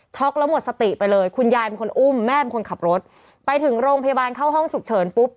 แล้วหมดสติไปเลยคุณยายเป็นคนอุ้มแม่เป็นคนขับรถไปถึงโรงพยาบาลเข้าห้องฉุกเฉินปุ๊บ